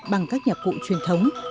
bằng các nhạc cụ truyền thống